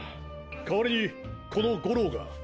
代わりにこの五郎が。